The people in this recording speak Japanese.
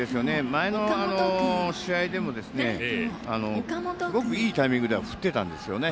前の試合でもすごくいいタイミングでは振ってたんですよね。